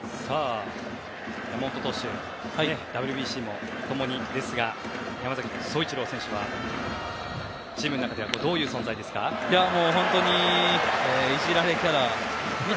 山本投手、ＷＢＣも共にですが山崎颯一郎選手はチームの中ではいじられキャラ。